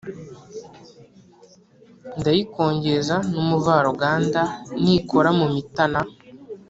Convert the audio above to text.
Ndayikongeza n’umuvaruganda nikora mu mitana